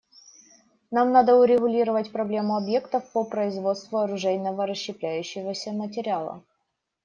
Нам надо урегулировать проблему объектов по производству оружейного расщепляющегося материала.